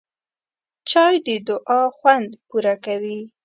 چای د دعا خوند پوره کوي